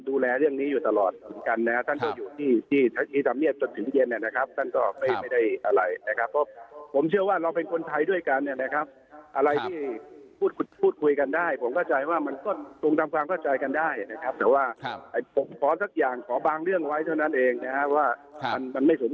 ซึ่งตรงนี้เนี่ยผมเชื่อว่าพี่น้องคนไทยเนี่ย